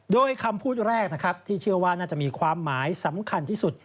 โดยคำพูดแรกนะครับที่เชื่อว่าน่าจะมีความหมายสำคัญที่สุด